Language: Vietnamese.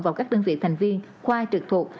vào các đơn vị thành viên khoa trực thuộc